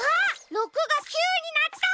６が９になった！